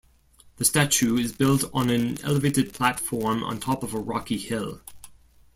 The statue is built on an elevated platform on top of a rocky hill.